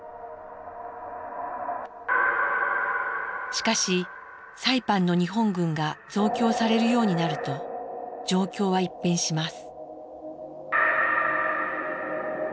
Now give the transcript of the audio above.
しかしサイパンの日本軍が増強されるようになると状況は一変します。